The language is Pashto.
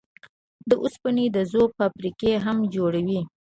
د اوسپنې د ذوب فابريکې هم جوړوي.